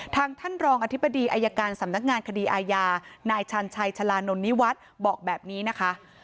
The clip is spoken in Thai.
ท่านรองอธิบดีอายการสำนักงานคดีอาญานายชันชัยชาลานนท์นิวัฒน์บอกแบบนี้นะคะ